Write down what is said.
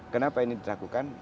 kenapa ini dilakukan